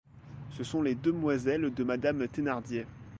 Ce sont les demoiselles de madame Thénardier.